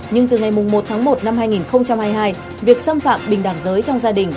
nhưng từ ngày một tháng một năm hai nghìn hai mươi hai việc xâm phạm bình đẳng giới trong gia đình